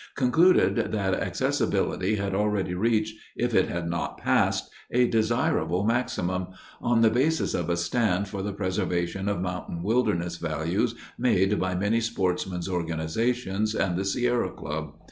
concluded that accessibility had already reached, if it had not passed, a desirable maximum, on the basis of a stand for the preservation of mountain wilderness values made by many Sportsmen's organizations and the Sierra Club.